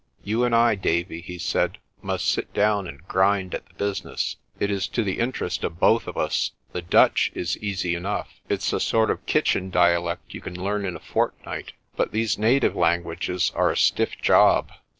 "You and I, Davie," he said, "must sit down and grind at the business. It is to the interest of both of us. The Dutch is easy enough. It's a sort of kitchen dialect you can learn in a fortnight. But these native languages are a stiff job.